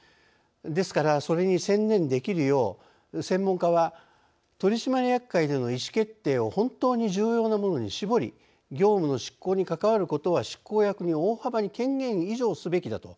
ですからそれに専念できるよう専門家は取締役会での意思決定を本当に重要なものに絞り業務の執行に関わることは執行役に大幅に権限移譲すべきだとしています。